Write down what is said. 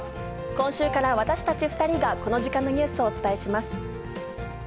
今週から私たち２人がこの時間のニュースをお伝えします。